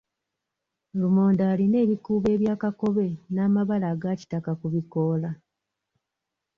Lumonde alina ebikuubo ebya kakobe n'amabala aga kitaka ku bikoola.